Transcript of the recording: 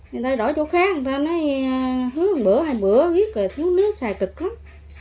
người ta đổi chỗ khác người ta nói hứa một bữa hai bữa biết rồi thiếu nước xài cực lắm